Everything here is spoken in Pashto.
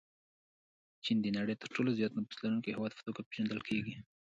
چین د نړۍ د تر ټولو زیات نفوس لرونکي هېواد په توګه پېژندل کېږي.